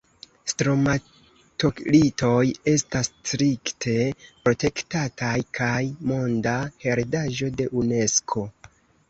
Stromatolitoj estas strikte protektataj kaj Monda heredaĵo de Unesko.